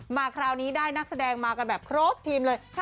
มาคราวนี้ได้นักแสดงมากันแบบครบทีมเลย